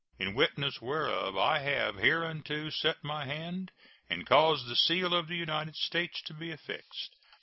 In witness whereof I have hereunto set my hand and caused the seal of the United States to be affixed.